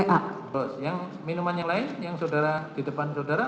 terus yang minuman yang lain yang saudara di depan saudara